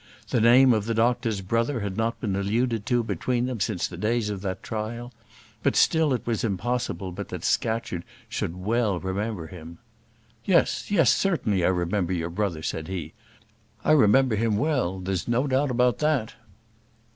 The name of the doctor's brother had not been alluded to between them since the days of that trial; but still it was impossible but that Scatcherd should well remember him. "Yes, yes; certainly. I remember your brother," said he. "I remember him well; there's no doubt about that."